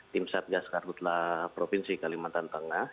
tim satgas karhutlah provinsi kalimantan tengah